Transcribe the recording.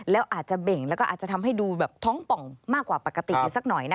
แล้วอาจจะเบ่งแล้วก็อาจจะทำให้ดูแบบท้องป่องมากกว่าปกติอยู่สักหน่อยนะคะ